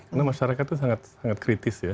karena masyarakat itu sangat kritis ya